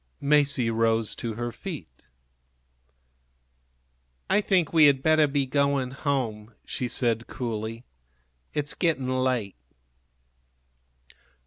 Masie rose to her feet. "I think we had better be going home," she said, coolly. "It's getting late."